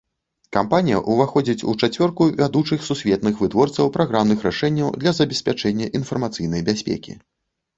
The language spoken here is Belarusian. Кампанія ўваходзіць у чацвёрку вядучых сусветных вытворцаў праграмных рашэнняў для забеспячэння інфармацыйнай бяспекі.